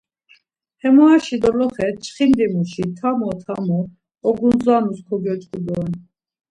Hemoraşi doloxe çxindimuşi tamo tamo ogundzanus kogyoç̌ǩu doren.